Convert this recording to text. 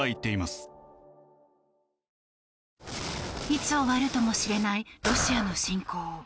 いつ終わるとも知れないロシアの侵攻。